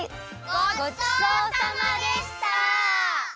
ごちそうさまでした！